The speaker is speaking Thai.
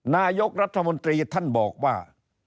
นายกรัฐมนตรีท่านบอกว่า